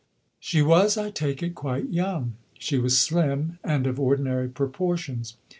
She was, I take it, quite young, she was slim and of ordinary proportions.